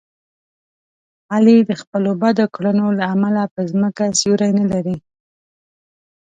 علي د خپلو بدو کړنو له امله په ځمکه سیوری نه لري.